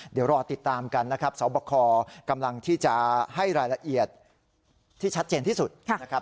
เดี๋ยวรอติดตามกันนะครับสอบคอกำลังที่จะให้รายละเอียดที่ชัดเจนที่สุดนะครับ